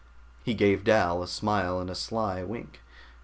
He gave Dal a smile and a sly wink.